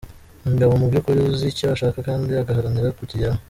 Umugabo mu by’ukuri uzi icyo ashaka kandi agaharanira ku kigeraho.